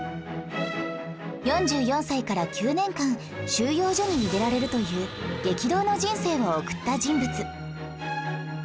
４４歳から９年間収容所に入れられるという激動の人生を送った人物